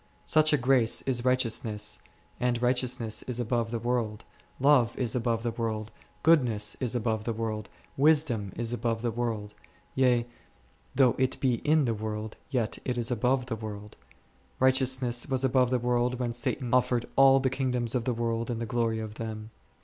Such a grace is righteousness, and righteousness is above the world, love is above the world, goodness is above the world, wisdom is above the world ; yea, though it be in the world, yet is it above the world. Righte ousness was above the world when Satan offered all the kingdoms of the world and the glory of them.